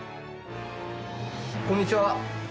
こんにちは。